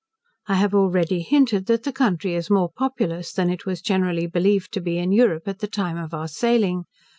I have already hinted, that the country is more populous than it was generally believed to be in Europe at the time of our sailing.